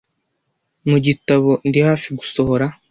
mu gitabo ndi hafi gusohora